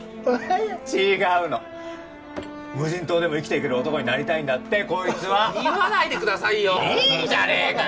違うの無人島でも生きていける男になりたいんだってこいつは言わないでくださいよいいじゃねえかよ